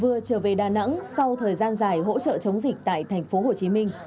vừa trở về đà nẵng sau thời gian dài hỗ trợ chống dịch tại tp hcm